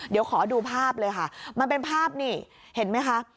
เดี๋ยวขอดูภาพเลยค่ะมันเป็นภาพนี่เห็นไหมคะ